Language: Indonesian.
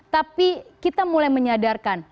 tapi kita mulai menyadarkan